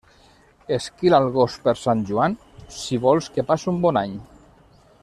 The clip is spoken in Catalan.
Esquila el gos per Sant Joan, si vols que passe un bon any.